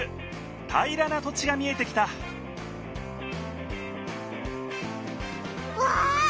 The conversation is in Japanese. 平らな土地が見えてきたわあ！